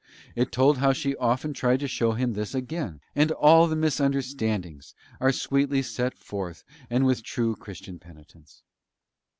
It told how she often tried to show him this again, and all the misunderstandings are sweetly set forth and with true Christian penitence.